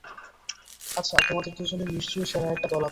আচ্ছা, তোমাদের দুজনের নিশ্চয়ই সেরা একটা দল আছে!